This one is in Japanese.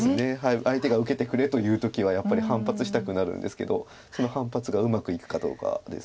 相手が受けてくれという時はやっぱり反発したくなるんですけどその反発がうまくいくかどうかです。